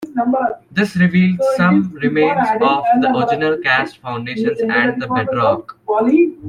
This revealed some remains of the original castle foundations and the bedrock.